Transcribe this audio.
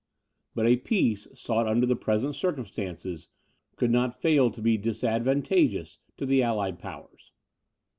But a peace, sought under the present circumstances, could not fail to be disadvantageous to the allied powers.